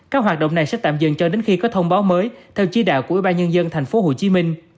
các hoạt động này sẽ tạm dừng cho đến khi có thông báo mới theo chỉ đạo của ủy ban nhân dân tp hcm